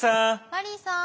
マリーさん！